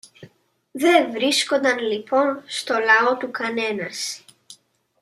Δε βρίσκουνταν λοιπόν στο λαό του κανένας